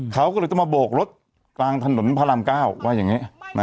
เขาก็เลยต้องมาโบกรถกลางถนนพระราม๙ว่าอย่างนี้